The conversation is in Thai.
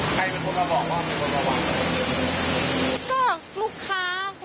ใครเป็นคนทำบอกว่าเป็นคนมาวางอะไร